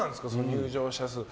入場者数。